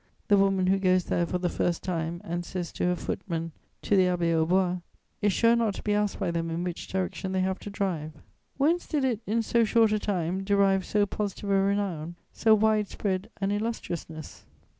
The woman who goes there for the first time and says to her footmen, 'To the Abbaye aux Bois' is sure not to be asked by them in which direction they have to drive.... "Whence did it, in so short a time, derive so positive a renown, so wide spread an illustriousness?